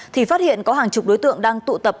thì phát hiện có hàng chục đối tượng đang tụ tập